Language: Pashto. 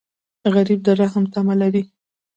غریب د رحم تمه لري